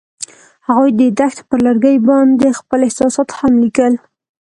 هغوی د دښته پر لرګي باندې خپل احساسات هم لیکل.